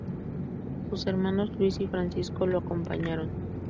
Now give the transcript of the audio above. Su hermanos Luis y Francisco lo acompañaron.